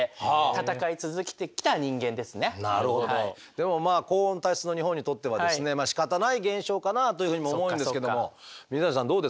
でもまあ高温多湿の日本にとってはしかたない現象かなというふうにも思うんですけども水谷さんどうですか？